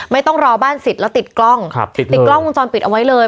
ไม่ต้องรอบ้านสิทธิ์แล้วติดกล้องติดกล้องวงจรปิดเอาไว้เลย